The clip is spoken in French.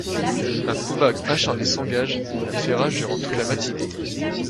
Un combat acharné s'engage et fait rage durant toute la matinée.